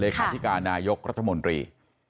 คาธิการนายกรัฐมนตรี